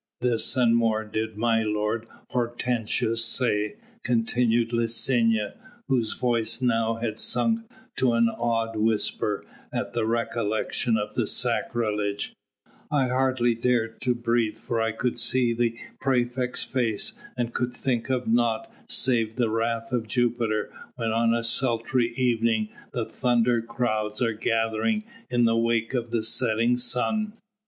This and more did my lord Hortensius say," continued Licinia, whose voice now had sunk to an awed whisper at the recollection of the sacrilege; "I hardly dared to breathe for I could see the praefect's face, and could think of naught save the wrath of Jupiter, when on a sultry evening the thunder clouds are gathering in the wake of the setting sun."